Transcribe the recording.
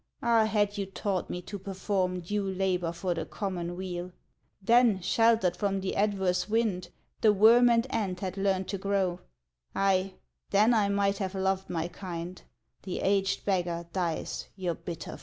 Ah! had you taught me to perform Due labor for the common weal! Then, sheltered from the adverse wind, The worm and ant had learned to grow; Ay, then I might have loved my kind; The aged beggar dies your bitter foe!